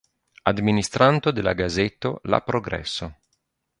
Administranto de la gazeto La Progreso.